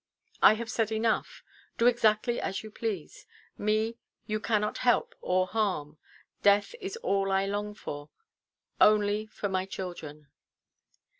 "I have said enough. Do exactly as you please. Me you cannot help or harm. Death is all I long for—only for my children."